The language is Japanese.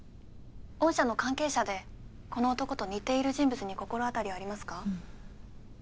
御社の関係者でこの男と似ている人物に心当たりありますか？